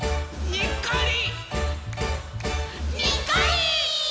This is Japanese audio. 「にっこり！」